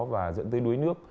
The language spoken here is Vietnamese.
và dẫn tới đối nước